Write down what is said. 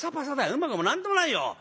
うまくも何ともないよ」。